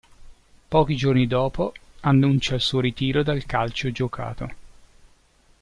Pochi giorni dopo, annuncia il suo ritiro dal calcio giocato.